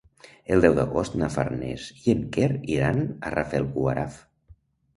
El deu d'agost na Farners i en Quer iran a Rafelguaraf.